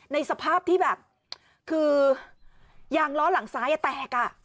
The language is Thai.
ในสภาพที่แบบคือยางล้อหลังซ้ายแตกอ่ะ